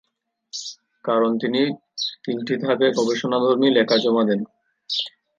কারণ তিনি তিনটি ধাপে গবেষণাধর্মী লেখা জমা দেন।